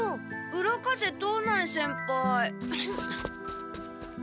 浦風藤内先輩。